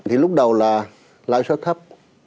thì lúc đầu là lãi suất thấp